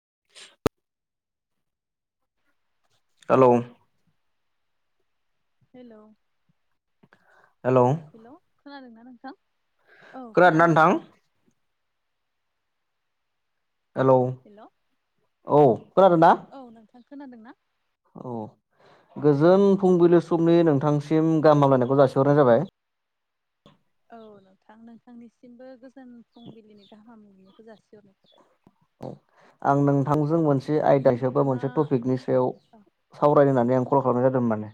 [inaudible] Hello! Hello! Hello. Hello! खोनादोंना नोंथां औ- खोनादों नोंथां। हेलौ। हेल' औ खोनादों ना? औ नोंथां खोनादों ना। औ गोजोन फुंबिलि समनि नोंथांसिम गाहाम हामलायनायखौ जासिहरनाय जाबाय। औ। नोंथां नोंथांनिसिमबो गोजोन फुंबिलिनि गाहाम हामलायनायखौ जासिहरनाय थाबाय। औ। आं ओ नोंथांजों मोनसे आयदा हिसायाव बा नोंथाङा मोनसे टपिकनि सायाव सावरायनो होननानै आं कल खालामनाय जादों माने।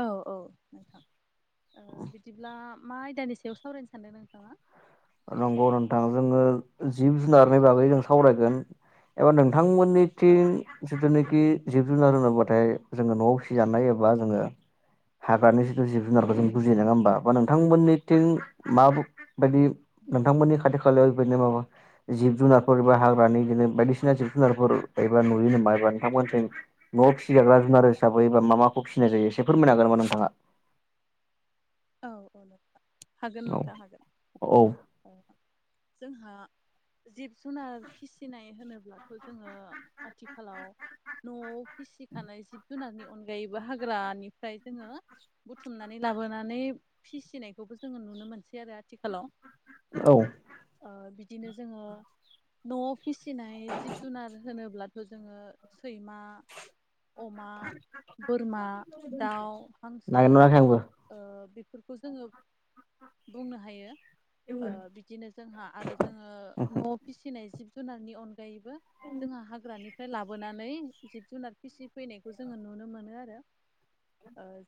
औ औ, बिदिब्ला मा आयदानि सायाव सावरायनो सानदों नोंथाङा? नंगौ नोंथां जोङो जिब जुनारनि बागै जों सावरायगोन एबा नोंथांमोननि थि औ जिथुनाखि जिब जुनार रोङोब्लाथाय जोङो न'आव फिजानाय एबा जोङो हाग्रानि जिथु जिब औ जुनारखौ जों बुजियो नङा होमबा बा नोंथांमोननिथिं मा बायदि नोंथांमोननि खाथि खालायाव बेबादिनो माबा जिब जुनारफोर एबा हाग्रानि बिदिनो बायदिसिना जिब जुनारफोर एबा नुयो नामा एबा नोंथांमोनजों न'आव फिसिजाग्रा जुनार हिसाबै बा मा माखौ फिसिनाय जायो एसेफोर मोननो हागोनामा नोंथाङा? औ औ नोंथां हागोन नोंथाङा हागोन औ जोंहा जिब जुनार फिसिनाय होनोब्लाथ' जोङो आथिखालाव न'आव फिसिखानाय जिब जुनारनि अनगायैबो हाग्रानिफ्राय जोङो बुथुमनानै लाबोनानै फिसिनायखौबो जोङो नुनो मोनसै आरो आथिखालाव औ ओ बिदिनो जोङो न'आव फिसिनाय जिब जुनार होनोब्लाथ' जोङो सैमा अमा बोरमा दाउ हांसो नागिरना मोनाखै आंबो ओ बेफोरखौ जोङो बुंनो हायो ओ बिदिनो जोंहा आरो जोङो न'आव फिसिनाय जिब जुनारनि अनगायैबो जोंहा हाग्रानि ओमफ्राय लाबोनानै जिब जुनार फिसि फैनायखौ जोङो नुनो मोनो आरो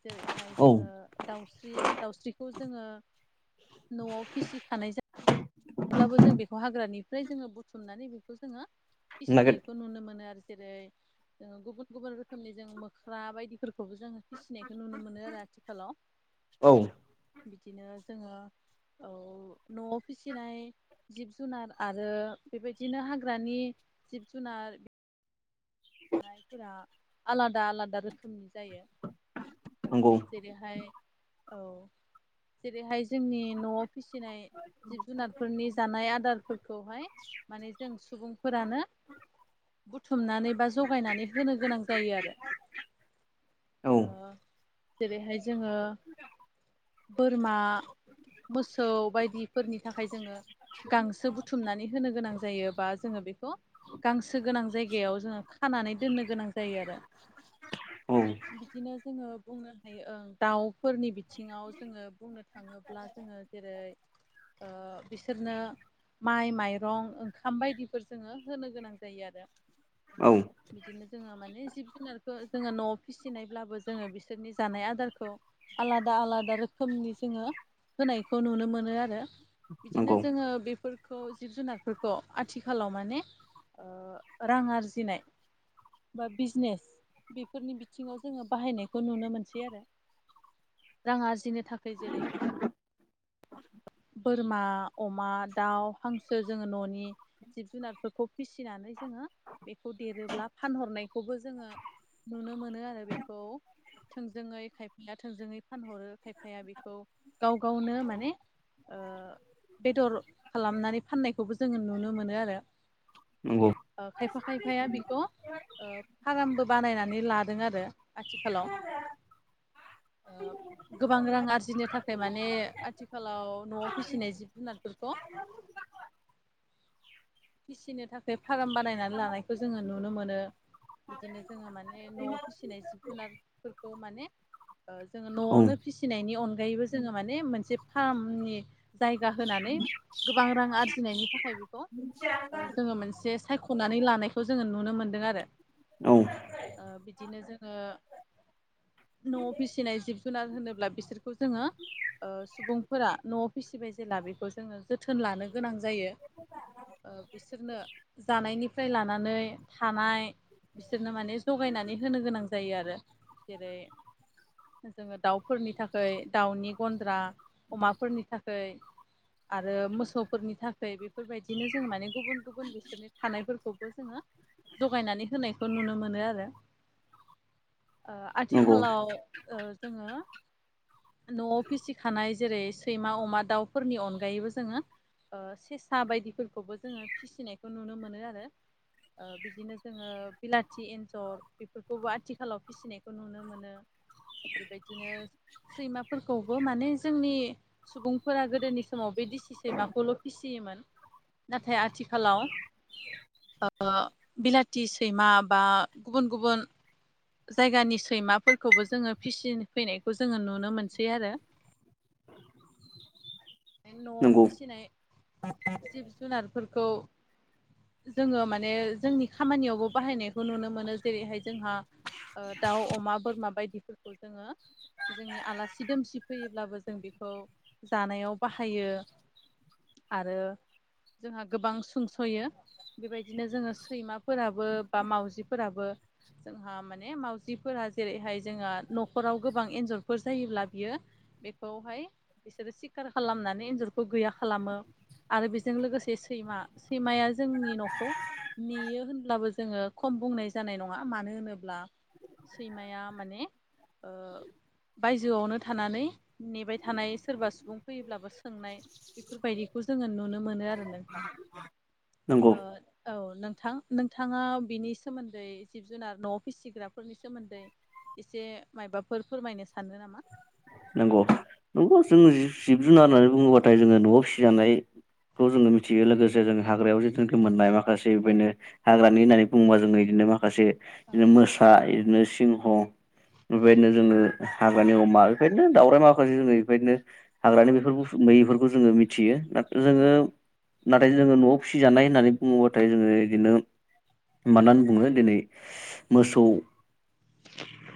जेरैहाय औ जोङो दाउस्रि दाउस्रिखौ जोङो न'आव फिसिखानाय जायो। अेब्लाबो जों बेखौ हाग्रानिफ्राय जोङो बुथुमनानै बेखौ जोङो नागिर फिसिनायखौ नुनो मोनो आरो जेरै जोङो गुबुन गुबुन रोखोमनि जों मोख्रा बायदिफोरखौबो जोङो फिसिनायखौ नुनो मोनो आरो आथिखालाव औ बिदिनो जोङो औ न'आव फिसा फिनाय जिब जुनार आरो बेबायदिनो हाग्रानि जिब जुनार फोरा आलादा आलादा रोखोमनि जायो। नंगौ जेरैहाय औ जेरैहाय जोंनि न'आव फिसिनाय जिब जुनारफोरनि जानाय आदारफोरखौहाय माने जों सुबुंफोरानो बुथुमनानै बा जगायनानै होनो गोनां जायो आरो औ जेरैहाय जोङो बोरमा मोसौ बायदि फोरनि थाखाय जोङो गांसो बुथुमनानै होनो गोनां जायो बा जोङो बेखौ गांसो गोनां जायगायाव जोङो नो गोनां जायो आरो औ बिदिनो बुंनो हायो दाउफोरनि बिथिङाव जोङो बुंनो। थाङोब्ला जोङो जेरै बिसोरनो माइ, माइरं ओंखाम बायदिफोर जोङो होनो गोनां जायो आरो औ बिदिनो जोङो माने जिब जुनारखौ जोङो न'आव फिसिनायब्लाबो जोङो बिसोरनि जानाय आदारखौ आलादा आलादा रोखोमनि जोङो होनायखौ नुनो मोनो आरो। बिदिनो नंगौ जोङो बेफोर खौ जिब जुनारफोरखौ आथिखालाव माने रां आरजिनाय बा बिजनेस बेफोरनि बिथिङाव जोङो बाहायनायखौ नुनो मोनसै आरो रां आरजिनो थाखाय जेरै [inaudible] बोरमा अमा दाउ हांसो जोङो न'नि जिब जुनारफोरखौ फिसिनानै जोङो बेखौ देरोब्ला फानहरनाय खौबो जोङो नुनो मोनो आरो बेखौ थोंजोङै खायफाया थोंजोङै फानहरो खायफाया बेखौ गाव गावनो माने ओ बेदर खालामनानै फाननायखौबो जोङो नुनो मोनो आरो नंगौ ओ खायफा खायफाया बेखौ ओ फार्मबो बानायनानै लादों आरो आथिखालाव गोबां रां आरजिनो थाखाय फ्राय माने आथिखालाव न'आव फिसिनाय जिब जुनारफोरखौ फिसिनो थाखाय फार्म बानायनानै लानायखौ जोङो नुनो मोनो। बिदिनो जोङो माने न'आव फिसिनाय जिब जुनारफोरखौ माने ओ जोङो औ न'आवनो फिसिनायनि अनगायैबो जोङो माने मोनसे फार्मनि जायगा होनानै गोबां रां आरजिनायनि थाखाय बेखौ ओ जोङो मोनसे सायख'नानै लानायखौ जोङो नुनो मोनदों आरो औ ओ बिदिनो जोङो न'आव फिसिनाय जिब जुनार होनोब्ला बिसोर खौ जोङो ओ सुबुंफोरा न'आव फिसिबाय जेला बेखौ जोङो जोथोन लानो गोनां जायो। ओ बिसोरनो जानायनिफ्राय लानानै थानाय बिसोरनो माने जगायनानै होनो गोनां जायो आरो जेरै जोङो दाउफोरनि थाखै दाउनि गन्द्रा अमाफोरनि थाखै आरो मोसौफोरनि थाखाय बेफोरबायदिनो जों माने गुबुन-गुबुन बिसोरनि थानायफोरखौबो जोङो जगायनानै होनायखौ नुनो मोनो आरो [inaudible] ओ नंगौ आथिखालाव ओ जोङो न'आव फिसिखानाय जेरै सैमा अमा दाउफोरनि अनगायैबो जोङो ओ सेसा बायदिफोर खौबो जोङो फिसिनायखौ नुनो मोनो आरो। ओ बिदिनो जोङो बिलाथि एन्जर बेफोरखौबो आथिखालाव फिसिनायखौ नुनो मोनो। बेबायदिनो सैमाफोरखौबो माने जोंनि सुबुंफोरा गोदोनि समाव बे दिसि सैमाखौल फिसियोमोन। नाथाय आथिखालाव ओ बिलाथि सैमा बा गुबुन-गुबुन जायगानि सैमाफोरखौबो जोङो फिसि फैनायखौ जोङो नुनो मोनसै आरो [inaudible] न'आव नंगौ फिसिनाय जिब जुनारफोरखौ जोङो माने जोंनि खामानियावबो बाहायनायखौ नुनो मोनो जेरैहाय जोंहा ओ दाउ अमा बोरमा बायदिफोरखौ जोङो जोंनि आलासि दोमसि फैयोब्लाबो जों बेखौ जानायाव बाहायो। आरो जोंहा गोबां सुंस'यो। बेबायदिनो जोङो सैमाफोराबो बा मावजिफोराबो जोंहा माने मावउजिफोरा जेरैहाय जोंहा न'खराव गोबां एन्जरफोर जायोब्ला बियो बेखौहाय बिसोरो सिखार खालामनानै एन्जरखौ गैया खालामो आरो बेजों लोगोसे बे सैमा सैमाया जोंनि न'खौ नेयो होनब्लाबो जोङो खम बुंनाय जानाय नङा मानो होनोब्ला सैमाया माने ओ ओ बायजोआवनो थानानै नेबाय थानाय सोरबा सुबुं फैयोब्लाबो सोंनाय बेफोरबायदिखौ जोङो नुनो मोनो आरो नोंथां। नंगौ औ नोंथां नोंथाङा बिनि सोमोन्दै जिब जुनार न'आव फिसिग्राफोरनि सोमोन्दै एसे मायबाफोर फोरमायनो सानदों नामा? नंगौ-नंगौ जोङो जिब जुनार होननानै बुङोबाथाय जोङो न'आव फिजानाय खौ जोङो मिथियो लोगोसे जोंङो हाग्रायाव जिटुनिखि मोननाय माखासे बेनो हाग्रानि होननानै बुङोबा जोङो बिदिनो माखासे औ बिदिनो मोसा बिदिनो सिंह बेबायदिनो जोङो हाग्रानि अमा बेफोरनो दाउराय माखासे जोङो बेफोरदिनो हाग्रानि औ बेफोर बु मैफोरखौ जोङो मिथियो जोङो औ नाथाय जोङो न'आव फिसिजानाय होननानै बुङोबाथाय जोङो बिदिनो मानो होनना बुङो दिनै मोसौ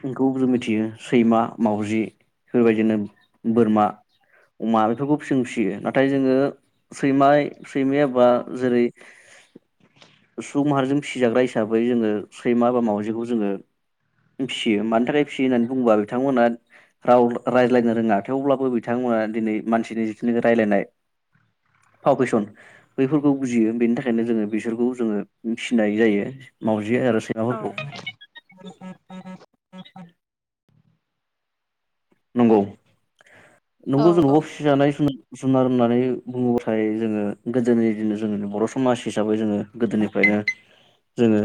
बेखौ जों मिथियो सैमा मावजि बेफोरबायदिनो बोरमा अमा बेफोरखौ फिसिजों फिसियो नाथाय जोङो सैम सैमाया एबा जेरै [inaudible] सुबुं माहारिजों फिसिजाग्रा हिसाबै जोङो सैमा बा माउजिखौ जोङो। फिसियो मानि थाखाय फिसियो होननानै बुंबा बिथांमोना राव रायज्लायनो रोङा थेवब्लाबो बिथांमोना दिनै मानसिनि जिथुनाखि रायज्लायनाय भाव भेसन। बैफोरखौ बुजियो बेनि थाखायनो जोङो बिसोरखौ जोङो फिसिनाय जायो। मावजियो आरो औ सैमाफोरखौ फोरखौ [inaudible] नंगौ, औ नंगौ जेन'बा फिसिजानाय जुना जुनार होननानै बुङोब्लाथाय जोङो गोदोनि दिन जोंनि बर' समाज हिसाबै जोङो गोदोनिफ्रायनो जोङो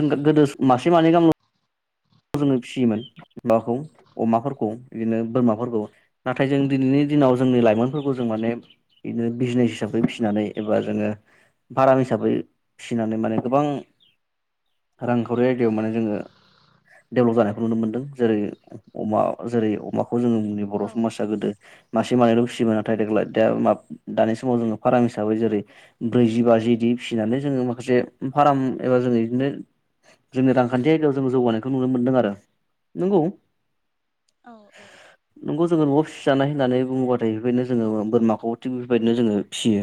जों गोदो मासे मानै गामल' जोङो फिसियोमोन माखौ अमाफोरखौ बिदिनो बोरमाफोरखौ नाथाय जों दिनैनि दिनाव जोंनि लाइमोनफोरखौ जों माने बिदिनो बिजनेस हिसाबै फिसिनानै एबा जोङो भाराम हिसाबै फिनानै माने गोबां रांखावरि आयदायाव माने जोङो डेभेलप जानायखौ नुनो मोन्दों। जेरै अमा जेरै अमाखौ जोङनि बर' औ समाजा गोदो मासे मानैल' फिसियोमोन नाथाय देग्लाय दा दानि समाव जोङो फार्म हिसाबै जेरै ब्रैजि बाजिदि फिसिनानै जोङो माखासे फार्म एबा जोङो बिदिनो जोंनि रांखान्थि आयदायाव जों जौगानायखौ नुनो मोनदों आरो। नंगौ औ औ नोंगौ जोङो न'आव फिजानाय होननानै बुङोब्लाथाय बेबायदिनो जोङो बोरमाखौ थिग बेफोरबायदिनो जोङो फिसियो।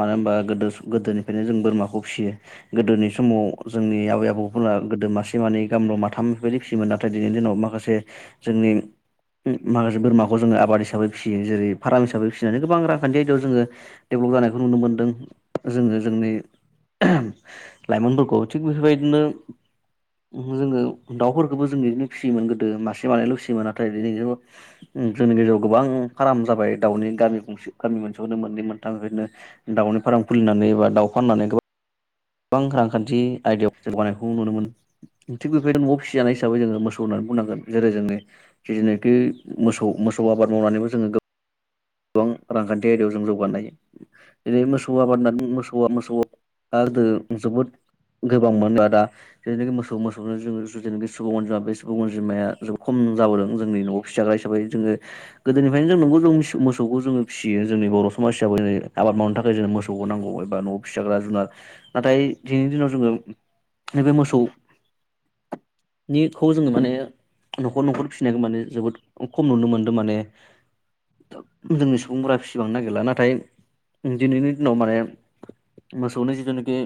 मानो होनबा गोदो गोदोनिफ्रायनो जों बोरमाखौ फिसियो गोदोनि समाव जोंनि आबै औ आबौफोरा गोदो मासे मानै गामल' माथाम बेफोरबायदि फिसियोमोन नाथाय दिनैनि दिनाव माखासे जोंनि माखासे बोराखौ जोङो आबाद हिसाबै फिसियो जेरै फार्म हिसाबै फिसिनानै गोबां रांखान्थि आयदायाव जोङो डेभलप जानायखौ नुनो मोनदों जोङो जोंनि लाइमोनफोरखौ थिग बेफोरबायदिनो जोङो दाफोरखौबो जों बिदिनो फिसियोमोन गोदो मासे मानायल' फियोमोन नाथाय बि जोंनि गेजेराव गोबां फार्म जाबाय दाउनि गामि गंसे गामि मोनसेयावनो मोननै मोनथामनो दाउनि फार्म खुलिनानै बा दाउ फाननानै गोबां गोबां रांखान्थि आयदायाव जौगानायखौ नुनो मोन। थिग बेदिनो न'आव फिसि जानाय हिसाबै जोङो मोसौ होननानै बुंनांगोन जेरै जोंनि जिनाखि मोसौ मोसौ आबाद मावनानैबो जोङो गोबां रांखान्थि आयदायाव जों जौगानो हायो। जेरै मोसौआ मोसौआ मोसौ गोदो जोबोद गोबां मोनबा दा [unintelligible] मोसौ मोसौनो जोङो जेनाखि सुबुं अनजिमा बे सुबुं अनजिमाया जबोद खम जाबोदों जोंनि न'आव फिसाग्रा हिसाबै जोङो गोदोनिफ्रायनो जों नंगौ जों मोसौखौ जोङो फिसियो जोंनि बर' समाज हिसाबै जेरै आबाद मावनो औ थाखाय जोंनो मोसौखौ नांगौ एबा न'आव फिसि जाग्रा जुनार नाथाय दिनैनि दिनाव जोङो नैबे मोसौ निखौ जोङो माने न'खर न'खर फिसिनायखौ माने जोबोद खम नुनो मोन्दों माने जोंनि सुबुंफोरा फिसिबांनो नागिरला नाथाय दिनैनि दिनाव माने मोसौनि जिथुनाखि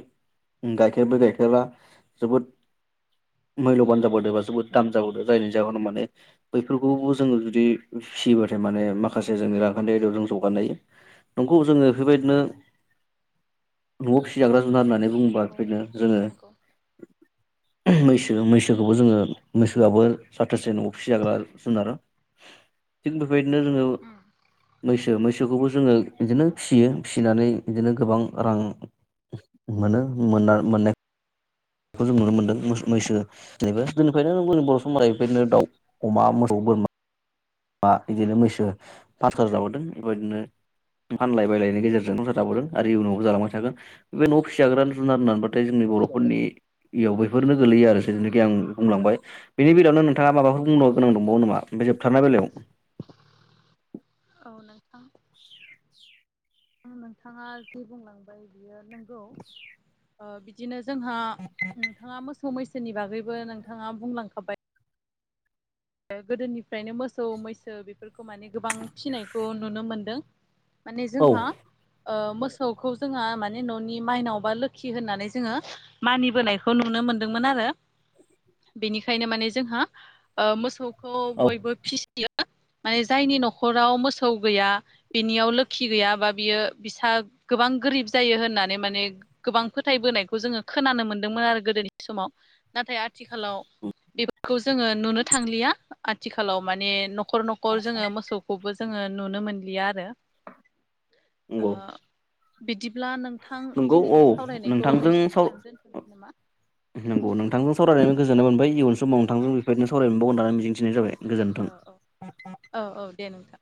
गाइखेरबो गाइखेरा जोबोद मैल'बान जाबोदोंबा जोबोद दाम जाबोदों जायनि जाहोनाव माने बैफोरखौबो जोङो जुदि फिसियोबाथाय माने माखासे जोङो रांखान्थि आयदायाव जों जौगानो हायो। नोंगौ जोङो बेबायदिनो न'आव फिसिजाग्रा जुनार होननानै बुङोबा औ बेनो जोङो नंगौ मैसो मैसोखौबो जोङो मैसोआबो जाथोसे न'आव फिसिजाग्रा जुनार। थिख बिबायदिनो जोङो उम मैसो मैसोखौबो जोङो बिदिनो फिसियो फिसिनानै बिदिनो गोबां रां मोनो मो-मोननाय बेखौ जों नुनो मोन्दों मैसो जनिफ्रायनो बुं सम बेनो दाउ अमा मोसौ बोरमा बा बिदिनो मैसो पासार जाबोदों बेबायदिनो फानलाय बायलायनि गेजेरजों संसार जाबोदों आरो इयुनावआव जालांबाय थागोन बे न'आव फिसिग्रा न'आव जुनार होननानै थाय जोंनि बर'फोरनि इयाव बेफोरनो गोलैयो आरो जिथुनाखि आं बुंलांबाय। बेनि बेलायावनो नोंथाङा माबाफोर बुंबावनो गोनांं दंबावो नामा ओमफ्राय जोबथारनाय बेलायाव अ नोथां आं नोंथाङा जे बुंलांबाय बियो नंगौ बिदिनो जोंहा नोंथाङा मोसौ मैसोनि बागैबो नोंथाङा बुंलांखाबाय गोदोनिफ्रायनो मोसौ मैसो बेफोरखौ माने गोबां फिसिनायखौ नुनो मोनदों। माने औ जोंहा मोसौखौ जोहा माने न'नि माइनावबा लोखि होननानै जोङो मानिबोनायखौ नुनो मोनदोंमोन आरो बेनिखायनो माने जोंहा ओ मोसौ खौ औ बयबो फिसियो माने जायनि न'खराव मोसौ गैया बिनियाव लोखि गैयाबा बियो बिसा गोबां गोरिब जायो होननानै माने गोबां फोथायबोनायखौ जोङो खोनानो मोनदोंमोन आरो गोदोनि समाव नाथाय आथिखालाव बेफोरखौ जोङो नुनो थांलिया आथिखालाव माने न'खर न'ख जोङो मोसौखौबो जोङो नुनो मोनलिया आरो ओ नंगौ बिदिब्ला नोंथां नंगौ औ दिनैनि सावरायनायखौ एसेखिनियावनो दोनथ'नोसै नामा नोंगौ नोंथांजों सावरायनायनानै गोजोननाय मोनबाय इयुन समाव ओ ओ नोंथांजों बेफोर बायदिनो सावराय मोनबागोन होननानै मिजिथिनाय जाबाय। गोजोन्थों औ औ औ औ दे नोंथां।